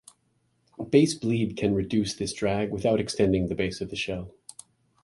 Base bleed can reduce this drag without extending the base of the shell.